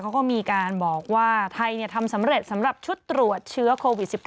เขาก็มีการบอกว่าไทยทำสำเร็จสำหรับชุดตรวจเชื้อโควิด๑๙